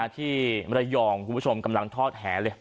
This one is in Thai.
ที่ระยองคุณผู้ชมกำลังทอดแหเลย